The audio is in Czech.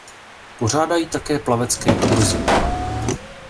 Pořádají také plavecké kurzy.